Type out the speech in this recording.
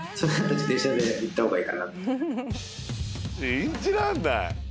信じらんない。